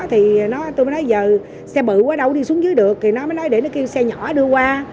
thì tôi mới nói giờ xe bự quá đâu đi xuống dưới được thì nó mới lấy để nó kêu xe nhỏ đưa qua